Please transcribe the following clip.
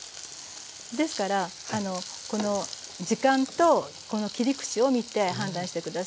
ですからこの時間とこの切り口を見て判断して下さい。